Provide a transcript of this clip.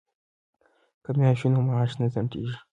که میاشت وي نو معاش نه ځنډیږي.